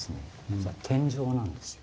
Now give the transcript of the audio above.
実は天井なんですよ。